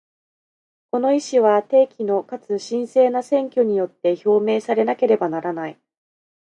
この意思は、定期のかつ真正な選挙によって表明されなければならない。